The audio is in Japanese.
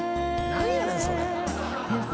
何やねんそれ。